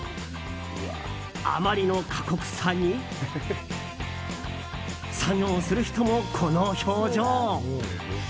あまりの過酷さに作業する人も、この表情。